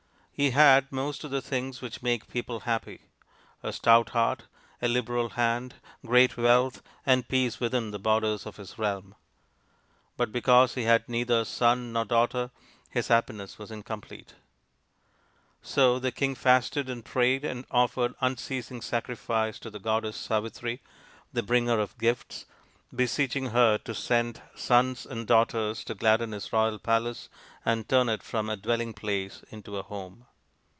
He had most of the things which make people happy a stout heart, a liberal hand, great wealth and peace within the borders of his realm ; but because he had neither son nor daughter his happiness was incomplete. So the king fasted and prayed and offered un ceasing sacrifice to the goddess Savitri, the Bringer of Gifts, beseeching her to send sons and daughters to gladden his royal palace and turn it from a dwelling place into a home.